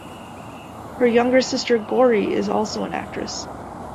Her younger sister "Gori" is also an actress.